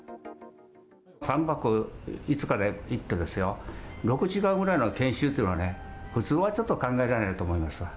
３泊５日で行ってですよ、６時間ぐらいの研修っていうのはね、普通はちょっと考えられないと思いますわ。